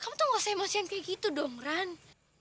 kamu tuh gak usah emosian kayak gitu dong rani